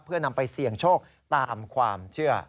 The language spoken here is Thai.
เพื่อนำไปเสี่ยงโชคตามความเชื่อ